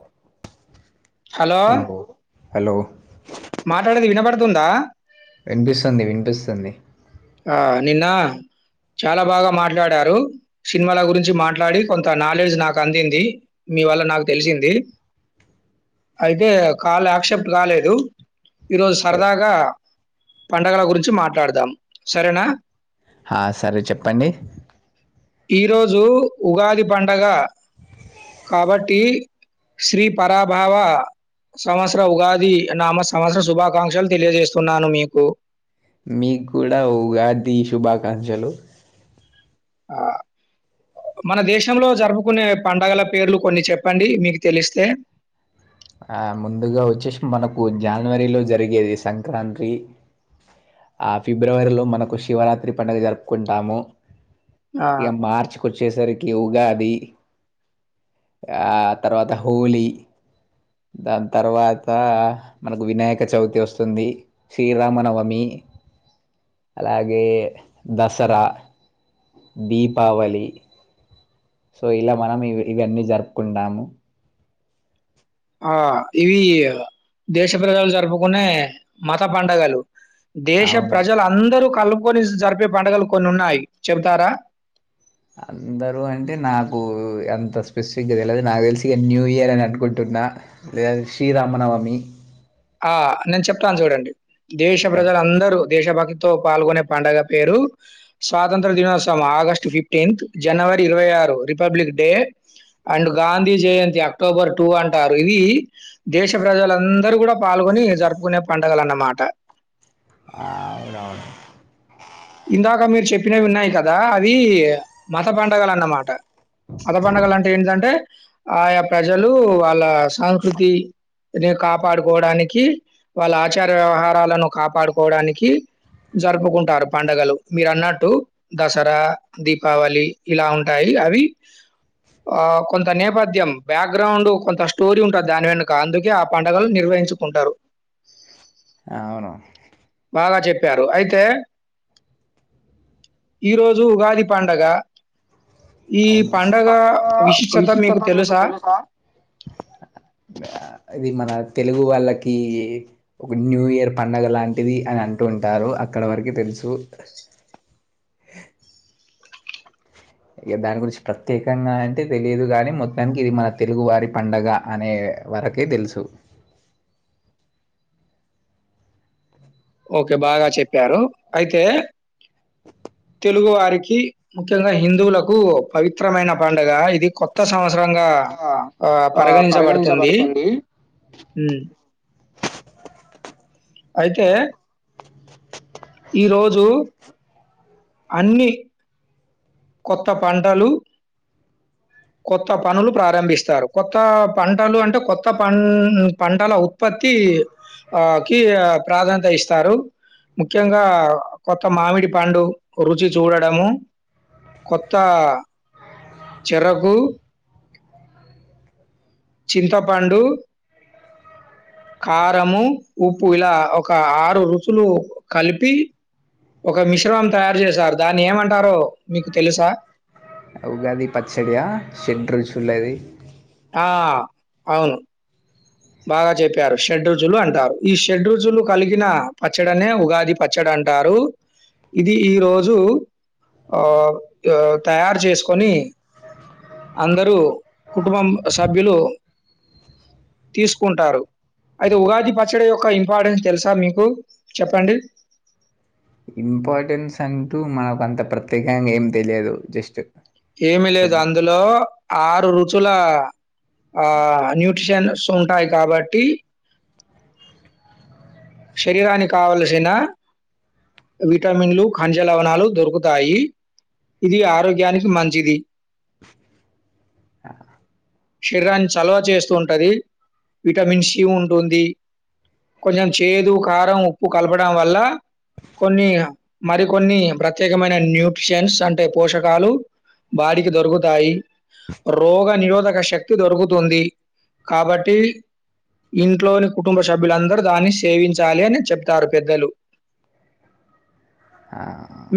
Cup తీసుకుని hello hello మాట్లాడేది వినపడుతుందా వినిపిస్తుంది వినిపిస్తుంది ఆ నిన్న చాలా బాగా మాట్లాడారు సినిమాల గురించి మాట్లాడి కొంత నాలెడ్జ్ నాకు అందింది మీ వల్ల నాకు తెలిసింది అయితే కాల్ యాక్సెప్ట్ కాలేదు ఈరోజు సరదాగా పండగల గురించి మాట్లాడదాం సరేనా ఆ సరే చెప్పండి ఈరోజు ఉగాది పండగ కాబట్టి శ్రీ పరాభావ సంవత్సర ఉగాది నామ స్త్ సంవత్సర శుభాకాంక్షలు తెలియజేస్తున్నాను మీకు మీకు కూడ ఉగాది శుభాకాంక్షలు ఆ మన దేశంలో జరుపుకునే పండగల పేర్లు కొన్ని చెప్పండి మీకు తెలిస్తే ఆ ముందుగా వచ్చేసి మనకు జనవరిలో జరిగేది సంక్రాంతి ఆ ఫిబ్రవరిలో మనకు శివరాత్రి పండుగ జరుపుకుంటాము ఆ ఇక మార్చికి వచ్చేసరికి ఉగాది ఆ తర్వాత హోలీ దాని తర్వాత మనకు వినాయక చవితి వస్తుంది శ్రీరామనవమి అలాగే దసరా దీపావళి సో ఇలా మనం ఇవి ఇవన్నీ జరుపుకుంటాము ఆ ఇవి దేశ ప్రజలు జరుపుకునే మత పండగలు దేశ అవును. ప్రజలందరూ కలుపుకొని జరిపే పండుగలు కొన్ని ఉన్నాయి చెబుతారా అందరూ అంటే నాకు అంత స్పెసిఫిక్గా తెలిదు నాకు తెలిసి న్యూయర్ అని అనుకుంటున్నా లేద శ్రీరామనవమి ఆ నేను చెప్తాను చూడండి దేశ చెప్పండి. ప్రజలు అందరూ దేశభక్తితో పాల్గొనే పండుగ పేరు స్వాతంత్ర దినోత్సవం మ ఆగస్ట్ ఫిఫ్టీన్త్ జనవరి ఇరవై ఆరు republic day and Gandhi Jayanti October two అంటారు ఈ దేశ ప్రజలందరూ కూడా పాల్గొని జరుపుకునే పండుగలన్నమాట [unintelligible] ఇందాక మీరు చెప్పినవి వున్నాయి కదా అది మత పండగలన్నామాట మత పండగలంటే ఏంటిదంటే ఆయా ప్రజలు వాళ్ళ సంకృతి ని కాపాడుకోవడానికి వాళ్ళ ఆచార వ్యవహారాలను కాపాడుకోవడానికి జరుపుకుంటారు పండుగలు మీరు అన్నట్టు దసరా దీపావళి ఇలా ఉంటాయి అవి ఆ కొంత నేపథ్యం బ్యాగ్రౌండ్ కొంత స్టోరీ ఉంటుంది దాని వెనుక అందుకే ఆ పండుగలు నిర్వహించుకుంటారు అవును బాగా చెప్పారు అయితే ఈరోజు ఉగాది పండగ. ఈ అనును పండగ విశిష్టత మీకు తెలుసా? ఇది మన. తెలుగు వాళ్ళకి ఒక న్యూ ఇయర్ పండుగ లాంటిది అని అంటూ ఉంటారు అక్కడ వరకు తెలుసు. ఇక దాని గురించి ప్రత్యేకంగా అంటే తెలియదు గానీ మొత్తానికి ఇది మన తెలుగువారి పండగ అనే వరకే తెలుసు. ఓకే బాగా చెప్ప్యారు అయితే తెలుగు వారికి ముఖ్యంగా హిందువులకు పవిత్రమైన పండుగ ఇది కొత్త సం అవసరంగా ఆ పరిగణించబడుతుంది హ్మ్ అయితే ఈరో జూ అన్నీ కొత్త పంటలు కొత్త పనులు ప్రారంభిస్తారు కొత్త పంటలు అంటే కొత్త పం పంటల ఉత్పత్తి ఆ కీ ప్రాధాన్యత ఇస్తారు ముఖ్యంగా కొత్త మామిడి పండు రుచి చూడడము కొత్త చెరకు, చింతపండు, కారము, ఉప్పు ఇలా ఒక ఆరు రుచులు కలిపి ఒక మిశ్రమం తయారు చేసారు. దాన్ని ఏమంటారో మీకు తెలుసా? ఉగాది పచ్చడియా షడ్రుచులది ఆ అవును బాగా చెప్పారు షడ్రుచులు అంటారు. ఈ షడ్రుచులు కలిగిన పచ్చడనే ఉగాది పచ్చడి అంటారు. ఇది ఈ రోజు ఆ తయారు చేసుకొని అందరూ కుటుంబం సభ్యులు తీసుకుంటారు అయితే ఉగాది పచ్చడి యొక్క ఇంపార్టెన్స్ తెలుసా మీకు చెప్పండి ఇంపార్టెన్స్ అంటూ మనకు అంత ప్రత్యేకంగా ఏం తెలియదు జస్ట్ ఏమీ లేదు కొన్ని అందులో ఆరు రుచుల ఆ న్యూట్రిషన్స్ ఉంటాయి కాబట్టి శరీరానికి కావలసిన విటమిన్లు ఖనిజ లవణాలు దొరుకుతాయి. ఇది ఆరోగ్యానికి మంచిది. శరీరాన్ని చలవ చేస్తూ ఉంటది. విటమిన్ సి ఉంటుంది కొంచెం చేదు, కారం, ఉప్పు కలపడం వల్ల కొన్ని మరికొన్ని ప్రత్యేకమైన న్యూట్రిషన్స్ అంటే పోషకాలు బాడీకి దొరుకుతాయి. రోగ నిరోధక శక్తి దొరుకుతుంది. కాబట్టి ఇంట్లోని కుటుంబ సభ్యులందరూ దాన్ని సేవించాలి అని చెప్తారు పెద్దలు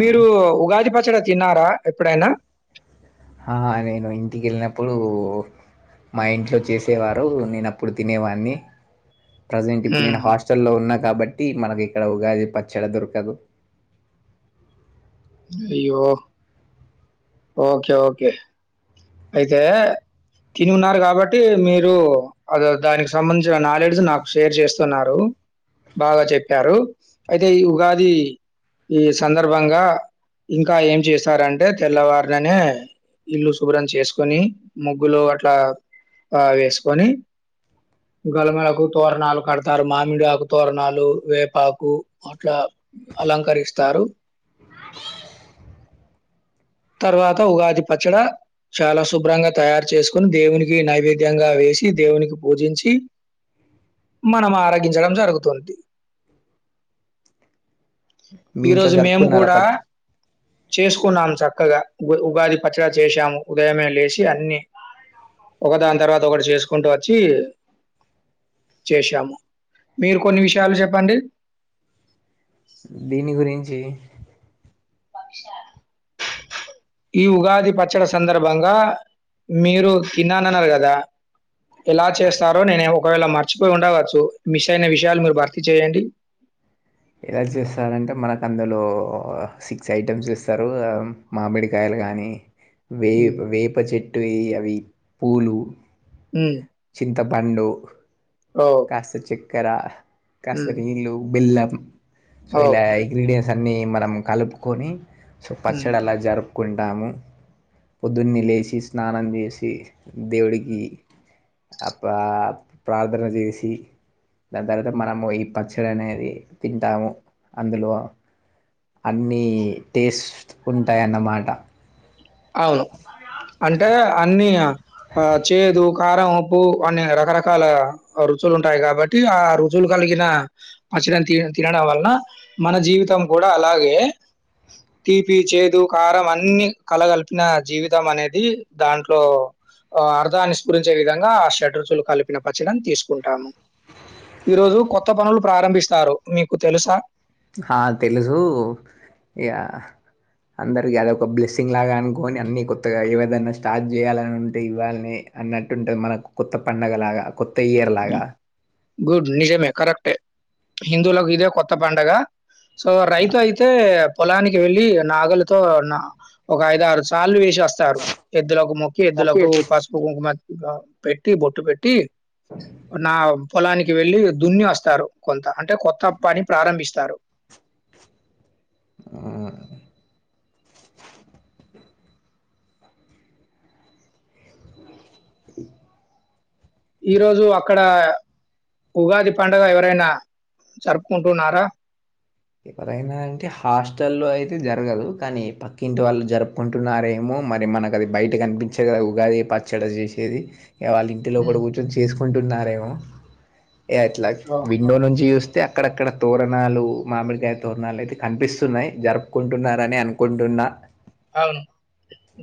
మీరు ఉగాది పచ్చడి తిన్నారా ఎప్పుడైనా ఆ నేను ఇంటికి వెళ్ళినప్పుడు మా ఇంట్లో చేసేవారు నేన అప్పుడు తినేవాన్ని. ప్రజెంట్ ఇప్పుడు నేను హ్మ్. హాస్టల్లో ఉన్న కాబట్టి మనకి ఇక్కడ ఉగాది పచ్చడి దొరకదు అయ్యో! ఓకే ఓకే అయితే తిని ఉన్నారు కాబట్టి మీరు అద దానికి సంబంధించిన నాలెడ్జ్ నాకు షేర్ చేస్తున్నారు. బాగా చెప్పారు, అయితే ఈ ఉగాది ఈ సందర్భంగా ఇంకా ఏం చేస్తారంటే తెల్లవారిననే, ఇల్లు శుభ్రం చేసుకొని ముగ్గులు అట్లా ఆ వేసుకొని, గలమలకు తోరణాలు కడతారు. మామిడి ఆకు తోరణాలు వేపాకు అట్లా అలంకరిస్తారు. తర్వాత ఉగాది పచ్చడ చాలా శుభ్రంగా తయారు చేసుకుని దేవునికి నైవేద్యంగా వేసి దేవునికి పూజించి మనం ఆరగించడం జరుగుతుంది. మీ ఇంట్లో ఈరోజు మేము జరుపుకున్నారా కూడా ప చేసుకున్నాం స చక్కగా ఉ ఉగాది పచ్చడా చేశాము. ఉదయమే లేసి అన్ని ఒకదాని తర్వాత ఒకటి చేసుకుంటూ వచ్చి చేసాము మీరు కొన్ని విషయాలు చెప్పండి. దీని గురిం జీ పక్షా ఈ ఉగాది పచ్చడి సందర్భంగా మీరు తిన్నాన న్నారు కదా. ఎలా చేస్తారో నేను ఒకవేళ మార్ మర్చిపోయి ఉండవచ్చు మిస్ అయిన విషయాలు మీరు భర్తీ చేయండి. ఎలా చేస్తారంటే మనకు అందులో సిక్స్ ఐటమ్స్ ఇస్తారు. ఆ మామిడికాయలు కానీ వే హ్మ్. వేప చెట్టు అవి పూలు హ్మ్ తపండు ఓహ్! కాస్త చెక్ కరా హ్మ్. కసరీలు బెల్ల సో ఇలా ఓకే. ఇంగ్రీడియంట్స్ అ అన్ని మనం కలుపుకొని సో హ్మ్. పచ్చడ అలా జరు కుంటాము పొద్దున్నే లేసి స్నానం జేసి దేవుడికి పా ప్రార్థన చేసి సి దాని తర్వాత మనము ఈ పచ్చడి అనేది తింటాము అందులో అన్నీ టేస్ట్ ఉంటాయ్ అనమాట అవును అంటే అన్ని ఆ చేదు, కారం, ఉప్పు, అన్ని రకరకాల రుచులు ఉంటాయి. కాబట్టి ఆ రుచులు కలిగిన పచ్చడిని తి తినడం వలన మన జీవితం కూడా అలాగే తీపి, చేదు, కారం, అన్ని కలగలిపిన జీవితం అనేది దాంట్లో అర్థాన్ని స్ఫురించే విధంగా ఆ షట్రచులు కలిపిన పచ్చడిని తీసుకుంటాము. ఈరోజు కొత్త పనులు ప్రారంభిస్తారు మీకు తెలుసా ఆ తెలుసు ఇగ అందరికి అదొక బ్లెస్సింగ్ లాగా అనుకోని అన్ని కొత్తగా ఏవదైనా స్టార్ట్ చేయాలని ఉంటే ఇవ్వాల్నే అన్నట్టుంటే మన కొత్త పండగ లాగా కొత్ త ఇయర్ లాగా గుడ్ నిజమే కరెక్టే హిందువులకు ఇదే కొత్త పండగ సో రైతు అయితే పొలానికి వెల్లి నాగలితో ఒక ఐద ఆరు సార్లు వేసి చేస్తారు ఎద్దులకు మొక్కి ఎద్దులకు పసుపు కుంకుమ పెట్టి బొట్టు పెట్టీ నా పొలానికి వెళ్ళి దున్ని వస్తారు కొంత అంటె కొత్త పని ప్రారంభిస్తారు ఆ ఈ రోజు అక్కడా ఉగాది పండుగ ఎవరైనా జరుపుకుంటున్నారా ఎవరైనా అంటే హాస్టల్లో అయితే జరగదు కానీ పక్కింటి వాళ్ళు జరుపుకుంటున్నారేమో, మరి మనకు అది బయట కనిపించదు కదా ఉగాది పచ్చడ చేసేది. వాళ్ళ ఇంటిలోపడ హ్మ్. కూర్చొని చేసు కుంటున్నారేమో ఏ ఎట్ల ఓహ్! విండో నుంచి చూస్ తే అక్కడక్కడ తోరణాలు మామిడికాయ తోరణాలు అయితే కనిపిస్సున్నాయ్, జరుపుకుంటున్నారని అనుకుంటున్నా. అవును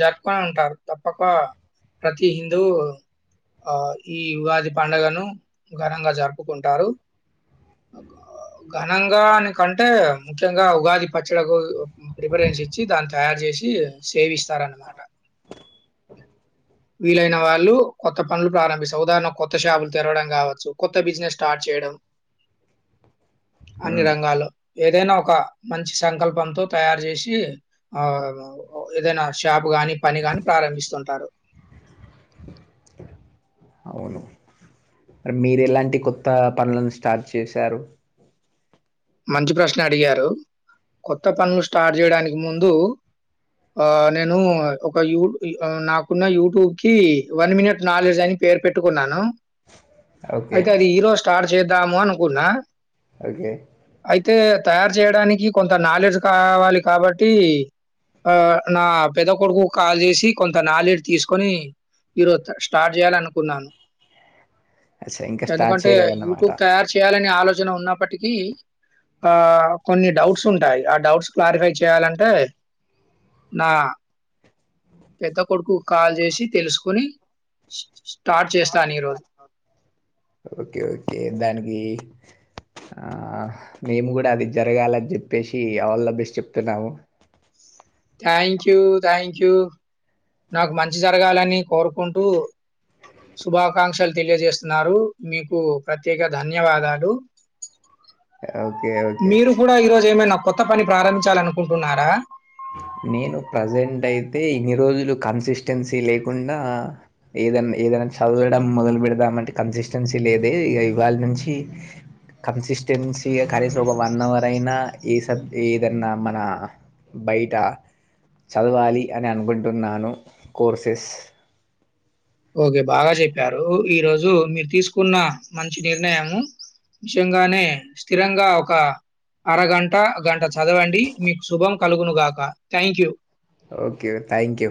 జరుపుకుని ఉంటారు తప్పక ప్రతి హిందూ ఆ ఈ ఉగాది పండుగను ఘనంగా జరుపుకుంటారు. ఘనంగాని కంటే ముఖ్యంగా ఉగాది పచ్చడకు ప్రిపరెన్స్ ఇచ్చి దాని తయారు, చేసి సేవిస్తారన్నమాట వీలైన వాళ్ళు కొత్త పనులు ప్రారంభిస్తారు. ఉదాహరణ కొత్త షాపులు తెరవడం కావచ్చు, కొత్త బిజినెస్ స్టార్ట్ చేయడం. అన్ని ఉమ్, రంగాల్లో ఏదైనా ఒక మంచి సంకల్పంతో తయారు చేసీ ఆ ఏదైనా షాప్ గాని పని గాని ప్రారంభిస్తుంటారు అవును. మీరు ఎలాంటి కొత్త పనులను స్టార్ట్ చేశారు మంచి ప్రశ్న అడిగారు. కొత్త పనులు స్టార్ట్ చేయడానికి ముందూ ఆ నేను ఒక యు నాకున్న యూట్యూబీకీ వన్ మినిట్ నాలెడ్జ్ అని పేరు పెట్టుకున్నాను. ఓకే అయితే అది ఈ రోజు స్టార్ట్ చేద్దాము అనుకున్నా ఓకే అయితే తయారు చేయడానికి కొంత నాలెడ్జ్ కావాలి కాబట్టి ఆ నా పెద్ద కొడుకు కాల్ చేసి కొంత నాలెడ్జ్ తీసుకొని ఈరోజు స్టార్ట్ చేయాలీ అనుకున్నాను. అచ్చా ఇంకా స్టార్ట్ ఎందుకంటే చేయలేదన్నమాట యూట్యూబ్ తయారు చేయాలాన్ ఆలోచన ఉన్నప్పటికీ ఆ కొన్ని డౌట్స్ ఉంటాయి. ఆ డౌట్స్ క్లారిఫై చేయాలంటే నా పెద్ద కొడుకు కాల్ చేసి తెలుసుకొని స్టార్ట్ చేస్తాను ఈరోజు. ఓకే ఓకే దానికీ ఆ మేము కూడా అది జరగాలని చెప్పేసీ ఆల్ ద బెస్ట్ చెప్తున్నాము. థ్యాంక్ యూ థ్యాంక్ యూ నాకు మంచి జరగాలని కోరుకుంటూ శుభాకాంక్షలు తెలియజేస్తున్నారు. మీకు ప్రత్యేక ధన్యవాదాలు. ఓకే ఓకే మీరు కూడా ఈరోజు ఏమైన కొత్త పని ప్రారంభించాలి. అనుకుంటున్నారా నేను ప్రజెంట్ అయితే ఇన్ని రోజులు కన్సిస్టెన్సీ లేకుండా ఏదన్న ఏదైనా చదవడం. మొదలు పెడదామంటే కన్సిస్టెన్సీ లేదే ఇగ ఇవాళ్టి నుంచీ కన్సిస్టెన్సీగా కనీసం ఒక వన్ అవర్ అయినా ఏ సబ్ ఏదన్నా మనా బయట చదవాలి అని అనుకుంటున్నాను. కోర్సెస్ ఓకే బాగా చెప్పారూ. ఈరోజు మీరు తీసుకున్న మంచి నిర్ణయము నిజంగానే స్థిరంగా ఒక అరగంట గంట చదవండి. మీకు శుభం కలుగును గాక thank you okay thank you